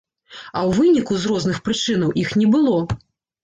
А ў выніку, з розных прычынаў, іх не было!